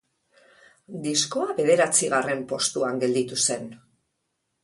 Diskoa bederatzigarren postuan gelditu zen.